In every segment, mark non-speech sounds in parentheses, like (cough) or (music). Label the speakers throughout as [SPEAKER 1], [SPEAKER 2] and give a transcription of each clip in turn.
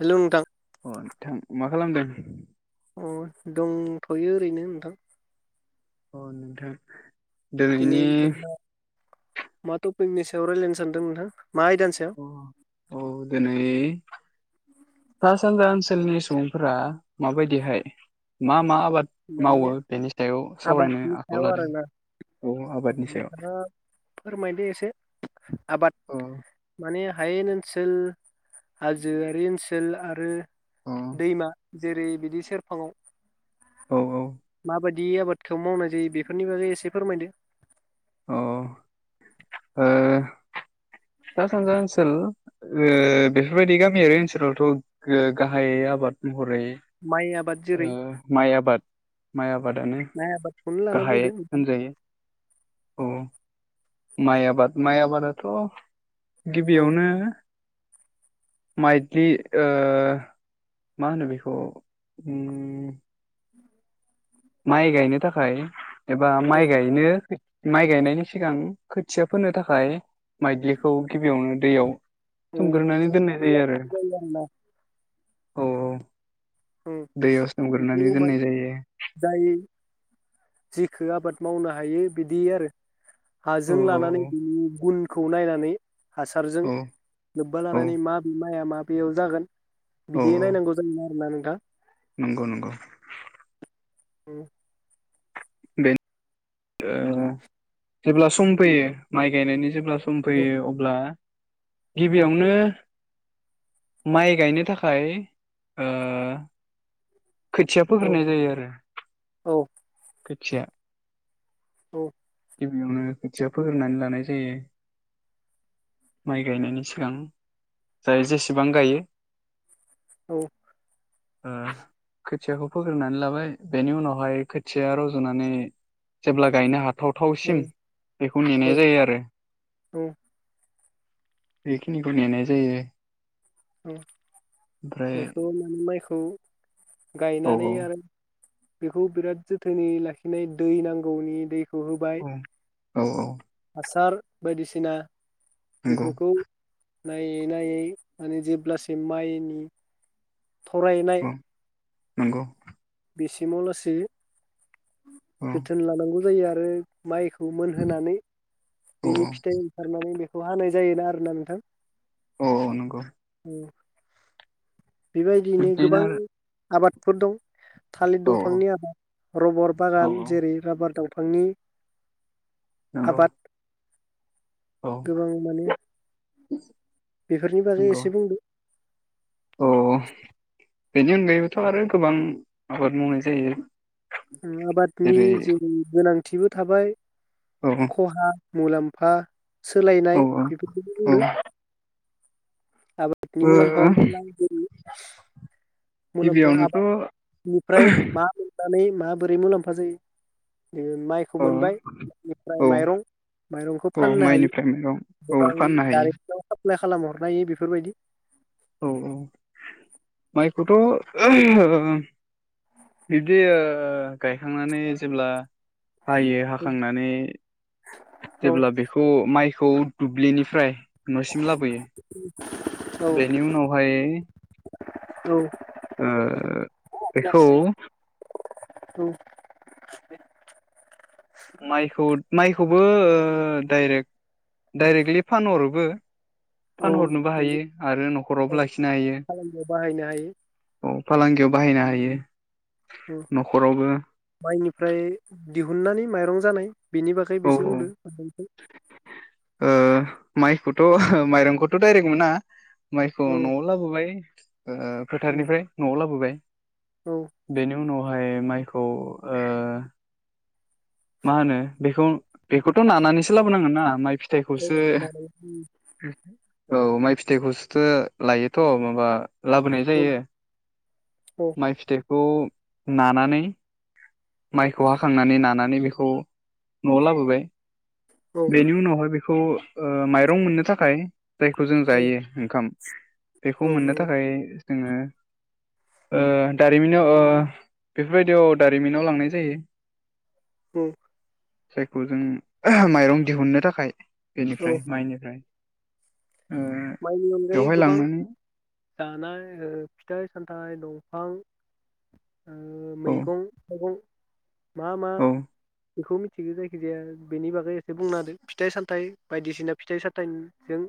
[SPEAKER 1] Hello नोंथां
[SPEAKER 2] अ नोंथां मा खालामदों?
[SPEAKER 1] अ दंथ'यो ओरैनो नोंथां।
[SPEAKER 2] अ नोंथां।
[SPEAKER 1] दिनै
[SPEAKER 2] दोनैनि
[SPEAKER 1] जोंहा मा टपिकनि सायाव रायज्लायनो सानदों नोंथां? मा आयदानि सायाव
[SPEAKER 2] अ औ दोनै सा सान्जा ओनसोलनि सुबुंफोरा माबायदिहाय मा मा आबाद मावो
[SPEAKER 1] माने
[SPEAKER 2] बेनि सायाव सावरायनो
[SPEAKER 1] आबादनि
[SPEAKER 2] आखायाव
[SPEAKER 1] सायाव
[SPEAKER 2] लादों
[SPEAKER 1] आरोना
[SPEAKER 2] औ आबादनि सायाव
[SPEAKER 1] नोंथाङा फोरमायदो एसे आबाद
[SPEAKER 2] अ
[SPEAKER 1] माने हायेन ओनसोल हाजोआरि ओनसोल आरो
[SPEAKER 2] अ
[SPEAKER 1] दैमा जेरै बिदि सेरफाङाव
[SPEAKER 2] औ औ।
[SPEAKER 1] बिदि आबादखौ मावनाय जायो बेफोरनि बागै एसे फोरमायदो।
[SPEAKER 2] अ ओ। सा सानजा ओनसोल ओ बेफोरबायदि गामियारि ओनसोलावथ' गाहायै आबाद हरै
[SPEAKER 1] माइ आबाद जेरै
[SPEAKER 2] माइ ओ आबाद माइ आबादानो
[SPEAKER 1] माइ आबादखौनो लाना
[SPEAKER 2] गाहाय
[SPEAKER 1] बुंदो नोंथां
[SPEAKER 2] होनजायो औ। माइ आबाद माइ आबादाथ'
[SPEAKER 1] औ
[SPEAKER 2] गिबियावनो माइलि ओ मा होनो बेखौ उम माइ गायनो थाखाय एबा
[SPEAKER 1] औ
[SPEAKER 2] माइ गायनो माइ गायनायनि सिगां खोथिया फोनो थाखाय माइदिलिखौ गिबियावनो दैयाव
[SPEAKER 1] औ
[SPEAKER 2] सोमग्रोनानै दोननाय जायो आरो। औ औ दैयाव सोमग्रोनानै
[SPEAKER 1] बेखौ माने
[SPEAKER 2] दोननाय जायो।
[SPEAKER 1] जिखो आबाद मावनो हायो बिदि आरो
[SPEAKER 2] औ
[SPEAKER 1] हाजों
[SPEAKER 2] औ
[SPEAKER 1] लानानै बिनि गुन खौ नायनानै हासारजों लोब्बा
[SPEAKER 2] औ
[SPEAKER 1] लानानै माब बि माया मा बेयाव जागोन
[SPEAKER 2] औ
[SPEAKER 1] बिदियै
[SPEAKER 2] औ
[SPEAKER 1] नायनांगौ जायोना मानि आ
[SPEAKER 2] नंगौ नंगौ
[SPEAKER 1] उम
[SPEAKER 2] बेन जेब्ला सम फैयो माइ गायनायनि जेब्ला सम
[SPEAKER 1] औ
[SPEAKER 2] फैयो अब्ला गिबियावनो माय गायनो थाखाय ओ खोथिया
[SPEAKER 1] औ
[SPEAKER 2] फोग्रोनाय जायो आरो।
[SPEAKER 1] औ
[SPEAKER 2] खोथिया
[SPEAKER 1] औ
[SPEAKER 2] गिबियावनो खोथिया फोग्रोना लानाय जायो माइ गायनायनि सिगां जाय जेसेबां गायो। ओ खोथ खोथियाखौ फोग्रोनानै लाबाय बेनि उनावहाय खोथिया रजनानै जेब्ला गायनो हाथ
[SPEAKER 1] औ
[SPEAKER 2] थावथावसिम बेखौ नेनाय
[SPEAKER 1] औ
[SPEAKER 2] जायोआरो
[SPEAKER 1] औ
[SPEAKER 2] बेखिनिखौ नेनाय जायो
[SPEAKER 1] (unintelligible)
[SPEAKER 2] ओमफ्राय
[SPEAKER 1] बेखौ मानि माइखौ
[SPEAKER 2] औ
[SPEAKER 1] गायनानै आरो बेखौ बिराद जोथोनै लाखिनाय दै नांगौनि दै हुहोबाय।
[SPEAKER 2] औ औ औ
[SPEAKER 1] सार बायदिसिना
[SPEAKER 2] नंगौ
[SPEAKER 1] बेफोरखौ नायै नायै माने जेब्लासिम मायनि थरायनाय
[SPEAKER 2] औ नंगौ।
[SPEAKER 1] बेसिमाव लासे
[SPEAKER 2] औ
[SPEAKER 1] जोथोन लानांगौ जायो आरो माइखौ मोनहोनानै
[SPEAKER 2] औ
[SPEAKER 1] बिनि फिथाइ ओंखारनानै बे खौ हानाय जायोना आरोना नोंथां
[SPEAKER 2] औ औ नंगौ।
[SPEAKER 1] (inaudible) बेबायदियैनो
[SPEAKER 2] बिब्दिनो
[SPEAKER 1] गोबां
[SPEAKER 2] आरो
[SPEAKER 1] आबादफोर दं। थालिर
[SPEAKER 2] औ
[SPEAKER 1] दंफांनि आबाद रबार
[SPEAKER 2] औ
[SPEAKER 1] बागान जेरै राबार दाव फांनि।
[SPEAKER 2] नंगौ
[SPEAKER 1] आबाद
[SPEAKER 2] औ
[SPEAKER 1] गोबां माने।
[SPEAKER 2] (unintelligible)
[SPEAKER 1] बेफोरनि बागै
[SPEAKER 2] नंगौ
[SPEAKER 1] एसे बुंदो
[SPEAKER 2] औ बेनि अनगायैबोथ' आरो गोबां आबाद मावनाय जायो।
[SPEAKER 1] ओ आबादनि जेरै गोनांथि। थिबो थाबाय
[SPEAKER 2] औ
[SPEAKER 1] खहा मुलाम्फा
[SPEAKER 2] औ
[SPEAKER 1] सोलायनाय बेफोरखौ
[SPEAKER 2] औ
[SPEAKER 1] बुंदों। आबादनि
[SPEAKER 2] औ
[SPEAKER 1] मुलाम्फा हमना ला जेरै मुलाम्फा
[SPEAKER 2] गिबियावनोथ'
[SPEAKER 1] आबाद निफ्राय मा मा? नानै माबोरै मुलाम्फा जायो। ओ माइखौ
[SPEAKER 2] अ
[SPEAKER 1] मोनबाय निफ्राय
[SPEAKER 2] औ
[SPEAKER 1] माइरं माइरंखौ
[SPEAKER 2] औ
[SPEAKER 1] फाननो हायो
[SPEAKER 2] माइनिफ्राय माइरं औ
[SPEAKER 1] गोबां
[SPEAKER 2] फाननो हायो
[SPEAKER 1] दारिमियाव फ्लाय खालाम हरनाय बेफोरबादि
[SPEAKER 2] औ औ माइखौथ' ओ बिदि ओ गायखांनानै जेब्ला हायो हाखांनानै
[SPEAKER 1] औ
[SPEAKER 2] जेब्ला बेखौ माइ खौ दुब्लिनिफ्राय नसिम लाबोयो
[SPEAKER 1] औ
[SPEAKER 2] बेनि उनावहाय
[SPEAKER 1] औ
[SPEAKER 2] ओ बेखौ
[SPEAKER 1] औ
[SPEAKER 2] माइखौ माइखौबो ओ दायरेक दायरेक्टलि फानहरोबो।
[SPEAKER 1] औ
[SPEAKER 2] फानहरनोबो हायो
[SPEAKER 1] नंगौ
[SPEAKER 2] आरो नखरावबो
[SPEAKER 1] औ
[SPEAKER 2] लाखिनो हायो।
[SPEAKER 1] फालांगियाव बाहायनो हायो
[SPEAKER 2] औ फालांगियाव बाहायनो हायो
[SPEAKER 1] ओ
[SPEAKER 2] न'खरावबो
[SPEAKER 1] माइनिफ्राय दिव हुननानै माइरं जानाय बेनि बागै
[SPEAKER 2] औ
[SPEAKER 1] बेसे
[SPEAKER 2] औ
[SPEAKER 1] बुंदो
[SPEAKER 2] ओ माइखौथ' माइरंखौथ' दायरेक्ट मोना माइखौ
[SPEAKER 1] औ
[SPEAKER 2] नआव लाबोबाय ओ फोथारनिफ्राय नआव लाबोबाय
[SPEAKER 1] औ
[SPEAKER 2] बेनि उनाव ओमफ्राय माइखौ ओ मा होनो बेखौ बेखौथ नानानैसो लाबोनांगोन ना माइ
[SPEAKER 1] औ
[SPEAKER 2] फिथाइखौसो औ माइ फिथाइखौसो लायोथ माबा लाबोनाय जायो माइ फिथाइखौ नानानै माइखौ हाखांनानै नानानै बे खौ नआव लाबोबाय बेनि उनावहाय बे खौ माइरं मोननो थाखाय जायखौ जों
[SPEAKER 1] औ
[SPEAKER 2] जायो ओंखाम बेखौ मोननो थाखाय जोङो ओ दारिमिनाव ओ बेफोरबायदियाव दारिमिनाव लांनाय जायो।
[SPEAKER 1] उम
[SPEAKER 2] जायखौ जों माइरं दिहुननो थाखाय
[SPEAKER 1] औ
[SPEAKER 2] बेनिफ्राय माइनिफ्राय। ओ
[SPEAKER 1] माइनि अनगायै
[SPEAKER 2] बेवहाय
[SPEAKER 1] गोबां
[SPEAKER 2] लांनानै
[SPEAKER 1] जानाय ओ फिथाइ सामथाइ दं ओं
[SPEAKER 2] औ
[SPEAKER 1] मैगं थाइगं मा मा
[SPEAKER 2] औ
[SPEAKER 1] बेखौ मिथिगौ जायखिजाया बेनि बागै एसे बुंना होदो फिथाइ सामथायाइ बायदिसिना फिथाइ साथायाइजों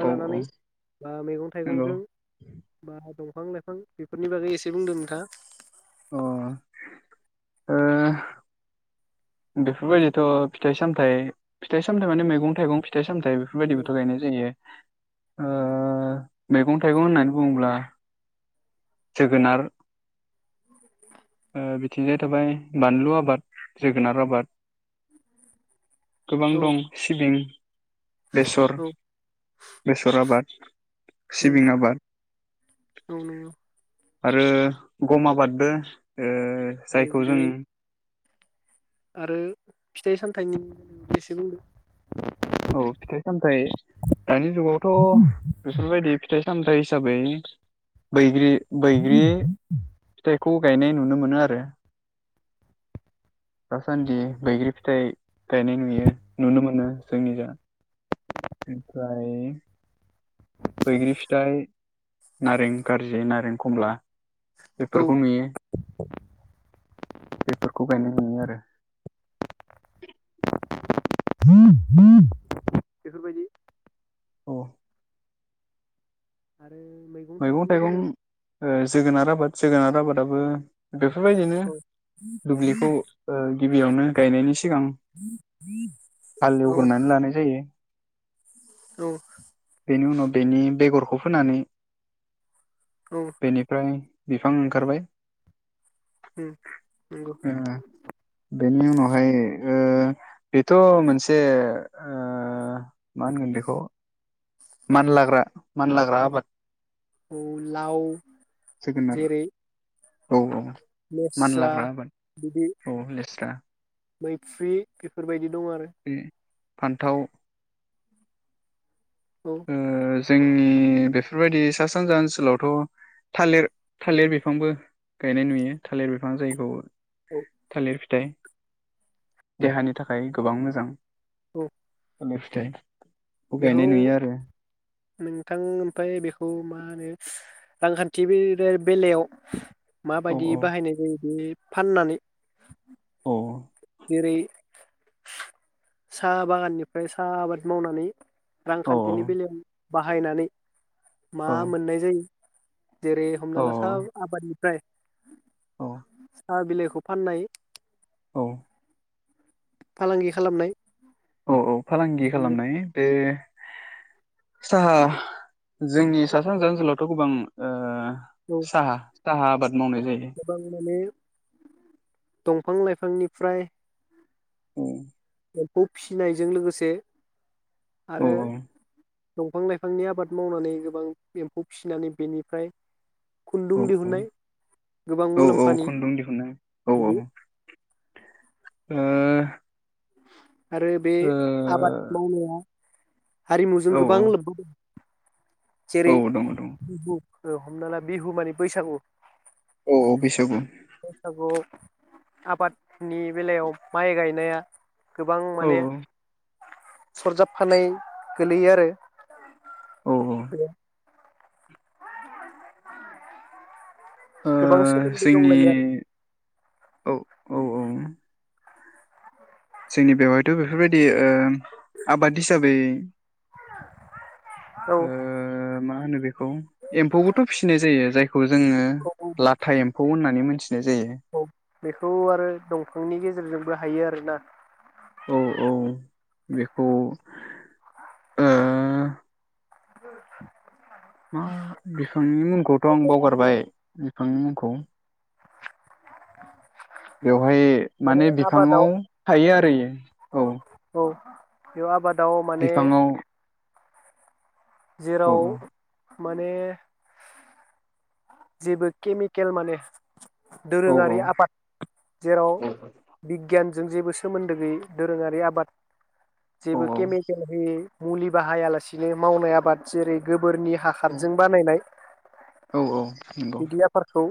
[SPEAKER 1] बा
[SPEAKER 2] औ औ
[SPEAKER 1] लानानै बा मैगं
[SPEAKER 2] नंगौ
[SPEAKER 1] थाइगंजों बा दफां लाइफां बेफोरनि बागै एसे बुंदो नोंथाङा।
[SPEAKER 2] अ ओ बेफोरबायदिथ' फिथाइ सामथाइ फिथाइ सामथाइ माने मैगं थाइगं फिथाइ सामथाइ बेफोरबायदिबोथ गायनाय जायो। ओ मैगं थाइगं होननानै बुङोब्ला जोगोनार ओ बिथिंजाय जाबाय बानलु आबाद जोगोनार आबाद। गोबां
[SPEAKER 1] औ
[SPEAKER 2] दं सिबिं बेसर
[SPEAKER 1] औ
[SPEAKER 2] बेसर आबाद,
[SPEAKER 1] उम
[SPEAKER 2] सिबिं आबाद
[SPEAKER 1] औ नंगौ
[SPEAKER 2] आरो गम आबादबो ओ
[SPEAKER 1] औ
[SPEAKER 2] जायखौ
[SPEAKER 1] बे
[SPEAKER 2] जों
[SPEAKER 1] आरो फिथाइ सामथाइनि (unintelligible)
[SPEAKER 2] औ फिथाइ सामथाइ दानि जुगावथ बेफोरबायदि फिथाइस सामथाइ हिसाबै बैग्रि बैग्रि फिथाइख खौ गायनाय नुनो मोनो आरो दासान्दि बैग्रि फिथाइ गायनाय नुयो, नुनो मोनो। जोंनिजा (unintelligible) बैग्रि फिथाइ नारें कारजि नारें खमला
[SPEAKER 1] औ
[SPEAKER 2] बेफोरखौ नुयो, बेफोरखौ गायनाय। नुयो आरो
[SPEAKER 1] बेफोरबायदि
[SPEAKER 2] औ
[SPEAKER 1] आरो मैगं
[SPEAKER 2] मैगं
[SPEAKER 1] थाइगंनि
[SPEAKER 2] थायगं
[SPEAKER 1] बेलायाव
[SPEAKER 2] ओ जोगोनार आबाद जोगोनार आबादाबो बेफोरबायदिनो
[SPEAKER 1] औ
[SPEAKER 2] दुब्लिखौ ओ गिबियावनो गायनायनि सि सिगां हाल
[SPEAKER 1] औ
[SPEAKER 2] एवग्रोनानै लानाय जायो
[SPEAKER 1] औ
[SPEAKER 2] बेनि उनाव बेनि बेगर (unintelligible)
[SPEAKER 1] औ
[SPEAKER 2] बेनिफ्राय बिफां ओंखारबाय
[SPEAKER 1] उम नंगौ
[SPEAKER 2] ओ बेनि उनावहाय ओह बेथ' मोनसे ओह मा होनगोन बेखौ मानलाग्रा मानलाग्रा आबाद।
[SPEAKER 1] औ लाव
[SPEAKER 2] जोगोनार
[SPEAKER 1] जेरै
[SPEAKER 2] औ औ।
[SPEAKER 1] लेस्रा
[SPEAKER 2] मानलाग्रा आबाद
[SPEAKER 1] बिदि
[SPEAKER 2] औ लेस्रा
[SPEAKER 1] मैफ्रि बेफोरबायदिब दं आरो।
[SPEAKER 2] बे फान्थाव
[SPEAKER 1] औ
[SPEAKER 2] ओ जोंनि बेफोरबायदि सा सानजा ओनसोलावथ' थालिर थालिर बिफांबो गायनाय नुयो थालिर बिफां जायखौ
[SPEAKER 1] औ
[SPEAKER 2] थालिर फिथाइ। देहानि थाखाय गोबां मोजां।
[SPEAKER 1] औ
[SPEAKER 2] नेक्स्ट टाइम अ गायनाय
[SPEAKER 1] बेखौ
[SPEAKER 2] नुयो आरो
[SPEAKER 1] नोंथां ओमफ्राय बेखौ मा होनो रांखान्थि बेलायाव
[SPEAKER 2] औ
[SPEAKER 1] माबायदि बाहायनाय जायो बे फाननानै
[SPEAKER 2] अ
[SPEAKER 1] जेरै साहा बागाननिफ्राय साहा आबाद मावनानै
[SPEAKER 2] औ
[SPEAKER 1] रांखान्थिनि बेलायाव बाहायनानै मा
[SPEAKER 2] औ
[SPEAKER 1] मोननाय जायो जेरै
[SPEAKER 2] औ
[SPEAKER 1] हमना ला साहा आबादनिफ्राय
[SPEAKER 2] औ
[SPEAKER 1] हा बिलाइखौ फाननाय
[SPEAKER 2] औ
[SPEAKER 1] फालांगि खालामनाय।
[SPEAKER 2] औ औ। फालांगि खालामनाय बे साहा जोंनि सा सानजा ओनसोलावथ' गोबां ओ
[SPEAKER 1] औ
[SPEAKER 2] साहा साहा आबाद मावनाय जायो
[SPEAKER 1] गोबां माने दंफां लाइफांनिफ्राय
[SPEAKER 2] (unintelligible)
[SPEAKER 1] एम्फौ फिसिनायजों लोगोसे
[SPEAKER 2] औ
[SPEAKER 1] आरो दंफां लाइफांनि आबाद मावनानै गोबां एम्फौ फिसिनानै बेनिफ्राय
[SPEAKER 2] औ
[SPEAKER 1] खुन्दुं दिहुननाय गोबां
[SPEAKER 2] औ औ औ
[SPEAKER 1] मुलाम्फानि
[SPEAKER 2] खुन्दुं दिहुननाय औ
[SPEAKER 1] बिदि
[SPEAKER 2] औ ओ
[SPEAKER 1] (unintelligible) आरो बे आबाद मावनाया हारिमुजों
[SPEAKER 2] ओ औ
[SPEAKER 1] गोबां लोब्बा दं।
[SPEAKER 2] औ
[SPEAKER 1] जेरै
[SPEAKER 2] औ दङ दङ
[SPEAKER 1] हमना ला बिहु माने बैसागु।
[SPEAKER 2] औ औ
[SPEAKER 1] बैसागु आबादनि बेलायाव माइ गायनाया गोबां
[SPEAKER 2] औ
[SPEAKER 1] माने सरजाबफानाय गोलैयो आरो
[SPEAKER 2] औ
[SPEAKER 1] (unintelligible)
[SPEAKER 2] ओ
[SPEAKER 1] गोबां सोमोन्दो
[SPEAKER 2] जोंनि
[SPEAKER 1] दंनाया
[SPEAKER 2] औ औ औ जोंनि बेवहायथ' बेफोरबायदि ओ आबाद हिसाबै
[SPEAKER 1] आरो
[SPEAKER 2] ओ
[SPEAKER 1] औ
[SPEAKER 2] (unintelligible) एम्फौबोथ फिसिनाय जायो जाय खौ जोङो
[SPEAKER 1] औ औ
[SPEAKER 2] लाथा एम खौ होननानै मोनथि
[SPEAKER 1] औ बेखौ आरो दंफांनि गेजेरजोंबो हायो आरोना।
[SPEAKER 2] औ औ बेखौ ओ
[SPEAKER 1] (unintelligible)
[SPEAKER 2] मा बि नोंनि मुंखौथ' आं बावगारबाय। आंनि मुंखौ? बेवहाय माने बिफांङाव थायो आरो इयो औ।
[SPEAKER 1] बियाव आबाद दाव माने
[SPEAKER 2] बिफाङाव औ
[SPEAKER 1] जेराव माने जेबो केमिकेल माने
[SPEAKER 2] औ
[SPEAKER 1] दोरोङारि
[SPEAKER 2] औ
[SPEAKER 1] आफाद जेराव
[SPEAKER 2] औ
[SPEAKER 1] बिगियान जों जेबो सोमोन्दो गैयि दोरोङारि आबाद जेबो केमिकेल होयै मुलि बाहायालासिनो मावनाय आबाद जेरै गोबोरनि हाखारजों बानायनाय।
[SPEAKER 2] औ औ नंगौ
[SPEAKER 1] खौ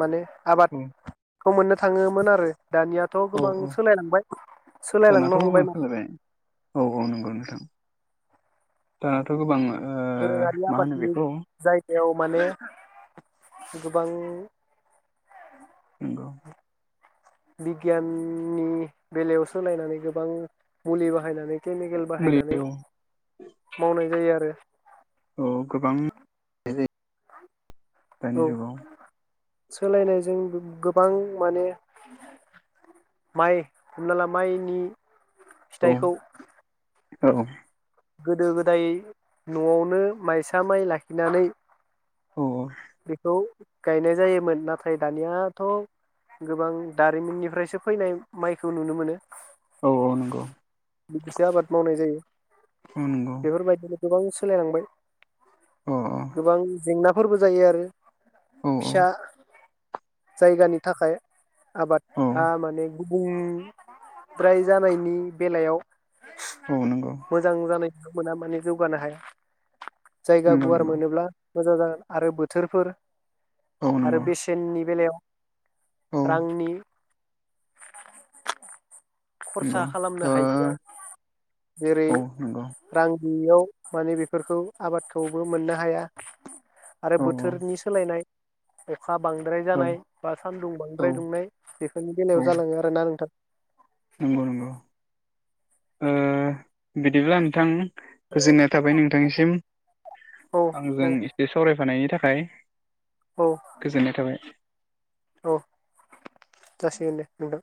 [SPEAKER 1] माने आबाद
[SPEAKER 2] औ
[SPEAKER 1] खौ मोननो थाङोमोन आरो दानियाथ'
[SPEAKER 2] औ
[SPEAKER 1] गोबां
[SPEAKER 2] औ
[SPEAKER 1] सोलायलांबाय
[SPEAKER 2] दानाथ'
[SPEAKER 1] सोलायलांनो हमबाय
[SPEAKER 2] गोबां
[SPEAKER 1] माने
[SPEAKER 2] सोलायबाय दाथ गोबांङा
[SPEAKER 1] दोरोङारि आबादनि जायगायाव माने गोबां
[SPEAKER 2] नोंगौ
[SPEAKER 1] बिगियान नि बेलायाव सोलायनानै गोबां मुलि बाहायनानै केमिकेल
[SPEAKER 2] मुलि
[SPEAKER 1] बाहायनानै
[SPEAKER 2] औ
[SPEAKER 1] मावनाय जायो आरो
[SPEAKER 2] औ गोबां होनाय जायो
[SPEAKER 1] औ
[SPEAKER 2] दानि जुगाव
[SPEAKER 1] सोलायनायजों गोबां माने माइ हमना ला माइनि
[SPEAKER 2] औ
[SPEAKER 1] फिथाइखौ
[SPEAKER 2] औ।
[SPEAKER 1] गोदो गोदाय नआवनो माइसा माइ लाखिनानै
[SPEAKER 2] अ
[SPEAKER 1] बेखौ गायनाय जायोमोन नाथाय दानियाथ गोबां दारिमिननिफ्रायसो फैनाय माइखौ नुनो मोनो।
[SPEAKER 2] औ औ नंगौ
[SPEAKER 1] बिदिसो आबाद मावनाय जायो।
[SPEAKER 2] अ नोंगौ।
[SPEAKER 1] बेफोरबायदिनो गोबां सोलायलांबाय
[SPEAKER 2] अ
[SPEAKER 1] गोबां जेंना जायो आरो
[SPEAKER 2] औ औ।
[SPEAKER 1] जायगानि थाखाय
[SPEAKER 2] औ
[SPEAKER 1] आबादआ माने गुबुंद्राय जानायनि बेलायाव
[SPEAKER 2] औ नंगौ
[SPEAKER 1] मोजां जानाय बिथांमोना माने जौगानो हाया। जायगा
[SPEAKER 2] नंगौ
[SPEAKER 1] गुवार
[SPEAKER 2] नंगौ
[SPEAKER 1] मोनोब्ला मोजां जागोन आरो बोथोरफोर
[SPEAKER 2] औ
[SPEAKER 1] आरो
[SPEAKER 2] नंगौ
[SPEAKER 1] बेसेननि बेलायाव
[SPEAKER 2] औ
[SPEAKER 1] रांनि खरसा
[SPEAKER 2] नंगौ
[SPEAKER 1] खालामनो
[SPEAKER 2] ओ
[SPEAKER 1] हायिआव जेरै
[SPEAKER 2] औ नंगौ
[SPEAKER 1] रां बेयाव माने बेफोरखौ आबादखौबो मोननो हाया। आरो
[SPEAKER 2] औ
[SPEAKER 1] बोथोरनि सोलायनाय अखा बांद्राय
[SPEAKER 2] औ
[SPEAKER 1] जानाय बा सानदुं
[SPEAKER 2] औ
[SPEAKER 1] बांद्राय दुंनाय बेफोरनि बेलायाव जालाङो आरोना नोंथां।
[SPEAKER 2] नंगौ नंगौ ओ बिदिब्ला नोंथां गोजोननाय थाबाय नोंथांनिसिम
[SPEAKER 1] औ
[SPEAKER 2] आंजों
[SPEAKER 1] औ
[SPEAKER 2] एसे सावरायफानायनि थाख खाय
[SPEAKER 1] औ
[SPEAKER 2] गोजोन्नाय थाबाय।
[SPEAKER 1] औ जासिगोन दे नोंथां।